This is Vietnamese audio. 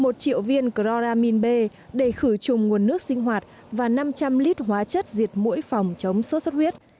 một triệu viên cloramin b để khử chùm nguồn nước sinh hoạt và năm trăm linh lít hóa chất diệt mũi phòng chống sốt sốt huyết